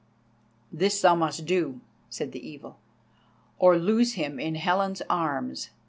"This must thou do," said the Evil, "or lose him in Helen's arms.